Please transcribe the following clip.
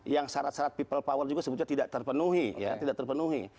yang syarat syarat people power juga sebutnya tidak terpenuhi